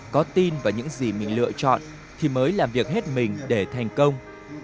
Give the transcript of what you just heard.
có tin vào những gì mình lựa chọn thì mới làm việc hết mình để thành công